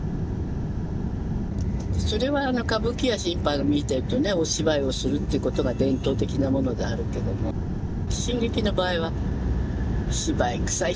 それは歌舞伎や新派見てるとねお芝居をするってことが伝統的なものであるけども新劇の場合は芝居くさいって言われるでしょ。